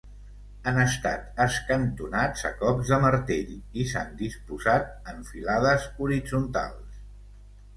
Han estat escantonats a cops de martell i s'han disposat en filades horitzontals.